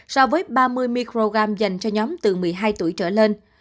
so với ba mươi microgram dành cho nhóm từ một mươi hai tuổi trở lên